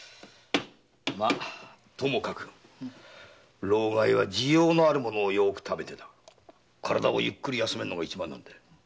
ともかく労咳は滋養のある物をよく食べて体をゆっくり休めるのが一番。